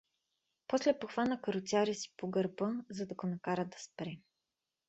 После похвана каруцаря си по гърба, за да го накара да спре.